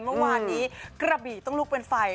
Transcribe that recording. เมื่อวานนี้กระบี่ต้องลุกเป็นไฟ